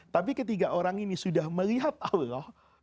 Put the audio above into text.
tapi ketika orang ini sudah melihat allah